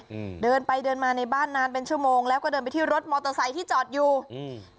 อืมเดินไปเดินมาในบ้านนานเป็นชั่วโมงแล้วก็เดินไปที่รถมอเตอร์ไซค์ที่จอดอยู่อืม